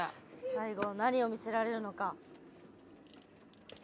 最後何を見せられるのか？